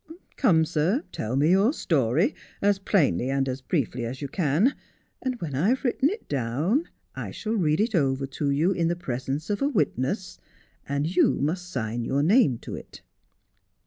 Come, sir, tell me your story, as plainly and as briefly as you can, and when I have written it down I shall read it over to you in the presence of a witness, and you must sign your name to it.